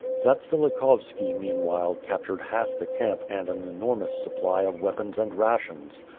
Zatsvilikhovski, mean while, captured half the camp and an enormous supply of weapons and rations.